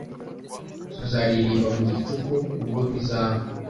Tuzaririmba mu gicuku ubwo bizaba